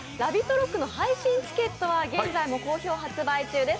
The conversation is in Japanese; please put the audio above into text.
ＲＯＣＫの配信チケットは現在も好評発売中です。